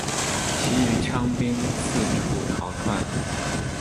其余羌兵四处逃窜。